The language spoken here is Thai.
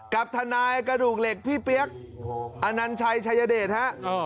กับทนายกระดูกเหล็กพี่เปี๊ยกอนัญชัยชายเดชฮะ